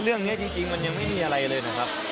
เรื่องนี้จริงมันยังไม่มีอะไรเลยนะครับ